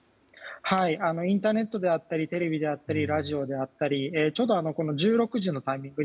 インターネットであったりテレビであったりラジオであったりちょうど１６時のタイミング